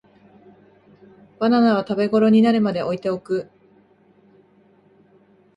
バナナは食べごろになるまで置いておく